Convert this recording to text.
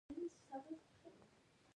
ځکه زه غواړم چې هلته له تا سره یو ځای شم